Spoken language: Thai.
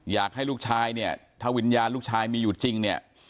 อยากให้ลูกชายเนี่ยถ้าวิญญาณลูกชายมีอยู่จริงเนี่ย